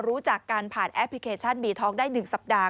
รู้จักกันผ่านแอปพลิเคชันมีท้องได้๑สัปดาห์